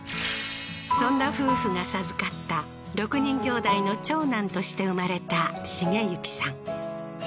そんな夫婦が授かった６人兄妹の長男として生まれた茂幸さん